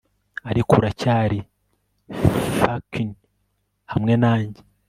ariko uracyari fuckin 'hamwe nanjye